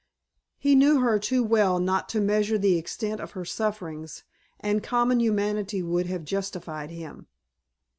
He knew her too well not to measure the extent of her sufferings, and common humanity would have justified him.